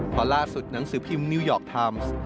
ต่อล่าสุดหนังสือพิมพ์นิวยอร์กทามส์